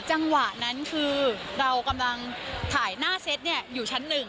จังหวะนั้นคือเรากำลังถ่ายหน้าเซตอยู่ชั้น๑